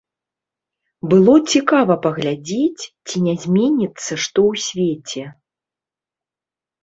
Было цікава паглядзець, ці не зменіцца што ў свеце.